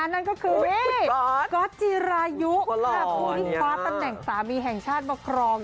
นั่นก็คือพี่ก๊อตจีรายุค่ะผู้ที่คว้าตำแหน่งสามีแห่งชาติมาครอง